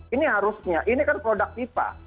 ini harusnya ini kan produk pipa